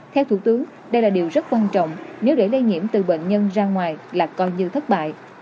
theo thủ tướng đây là điều rất quan trọng nếu để lây nhiễm từ bệnh nhân ra ngoài là coi như thất bại